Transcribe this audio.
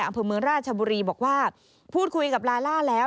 อำเภอเมืองราชบุรีบอกว่าพูดคุยกับลาล่าแล้ว